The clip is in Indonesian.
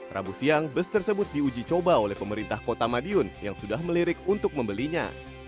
rabu siang bus tersebut diuji coba oleh pemerintah kota madiun yang sudah melirik untuk membelinya